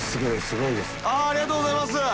◆舛ありがとうございます。